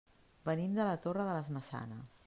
Venim de la Torre de les Maçanes.